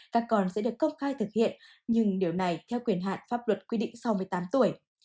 các con sẽ được công khai thực hiện nhưng điều này theo quyền hạn pháp luật quy định sau một mươi tám tuổi